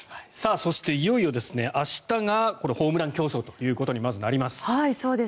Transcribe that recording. そしていよいよ明日がホームラン競争ということにまずなります。